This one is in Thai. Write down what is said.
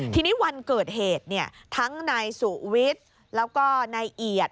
ทีนี้วันเกิดเหตุทั้งนายสุวิทย์แล้วก็นายเอียด